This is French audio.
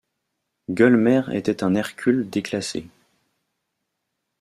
Gueulemer était un Hercule déclassé.